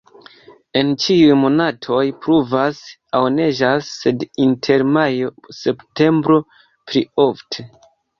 En ĉiuj monatoj pluvas aŭ neĝas, sed inter majo-septembro pli ofte.